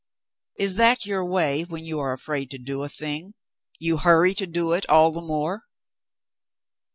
"Is that your way when you are afraid to do a thing; you hurry to do it all the more